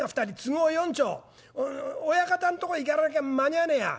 親方んとこ行かなきゃ間に合わねえや。